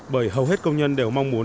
bởi hầu hết công nhân đều mong muốn